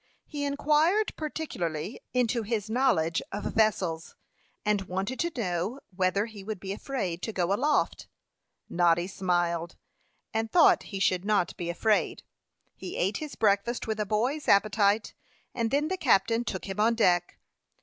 He inquired particularly into his knowledge of vessels, and wanted to know whether he would be afraid to go aloft. Noddy smiled, and thought he should not be afraid. He ate his breakfast with a boy's appetite, and then the captain took him on deck.